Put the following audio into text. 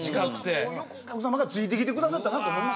よくお客様がついてきて下さったなと思いますよ。